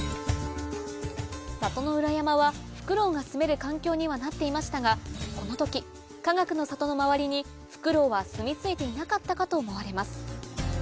里の裏山はフクロウがすめる環境にはなっていましたがこの時かがくの里の周りにフクロウはすみ着いていなかったかと思われます